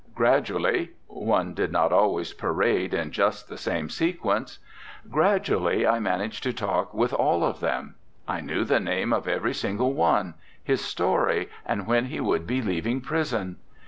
Gradually one did not always parade in just the same sequence gradually I managed to talk with all of them! I knew the name of every single one, his story, and when he would be leaving prison.